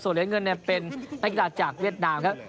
ส่วนเหรียญเงินเป็นนักกีฬาจากเวียดนาม